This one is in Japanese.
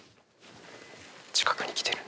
近くに来てる。